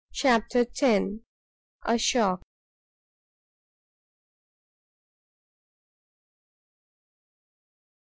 CHAPTER ix. A SHOCK.